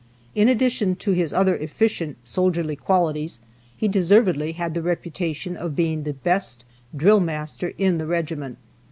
In addition to his other efficient soldierly qualities he deservedly had the reputation of being the best drill master in the regiment.